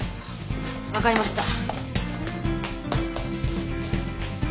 分かりました。